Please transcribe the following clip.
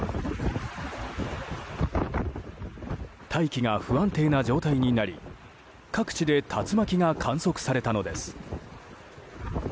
大気が不安定な状態になり各地で竜巻が観測されたのです。